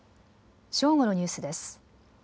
正午のニュースです。